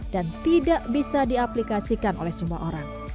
dan tidak bisa diaplikasikan oleh semua orang